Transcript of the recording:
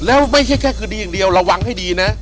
แล้วไม่ใช่แค่คดีอย่างเดียวระวังให้ดีนะ